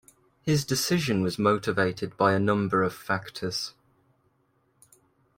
His decision was motivated by a number of factors.